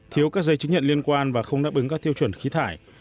thiếu các giấy chứng nhận liên quan và không đáp ứng các tiêu chuẩn khí thải